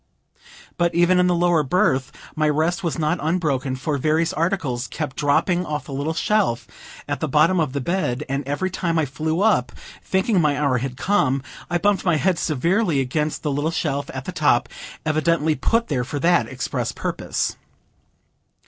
But even in the lower berth, my rest was not unbroken, for various articles kept dropping off the little shelf at the bottom of the bed, and every time I flew up, thinking my hour had come, I bumped my head severely against the little shelf at the top, evidently put there for that express purpose.